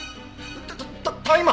たたた大麻！？